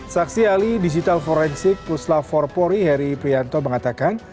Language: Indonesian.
saksi ahli digital forensik pusla forpori heri prianto mengatakan